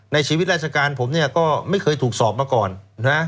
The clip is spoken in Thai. ในชีวิตราชการผมเนี่ยก็ไม่เคยถูกสอบมาก่อนนะ